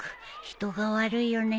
人が悪いよね